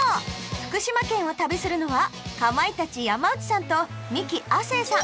福島県を旅するのはかまいたち・山内さんとミキ・亜生さん